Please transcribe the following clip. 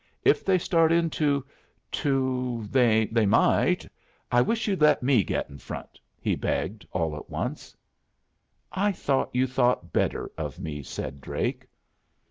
"If they start in to to they might I wish you'd let me get in front," he begged, all at once. "I thought you thought better of me," said Drake.